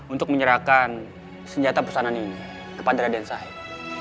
untuk menyerahkan senjata perusahaan ini kepada raden sahin